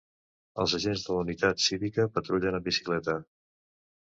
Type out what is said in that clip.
Els agents de la unitat cívica patrullen en bicicleta.